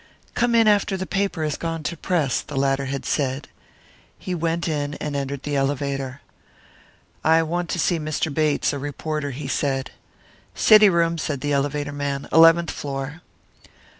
"Come in after the paper has gone to press," the latter had said. He went in and entered the elevator. "I want to see Mr. Bates, a reporter," he said. "City room," said the elevator man; "eleventh floor."